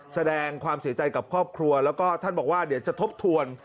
แสดงความเสียใจกับครอบครัวแล้วก็ท่านบอกว่าเดี๋ยวจะทบทวน